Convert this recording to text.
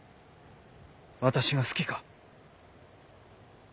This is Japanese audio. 私が好きか？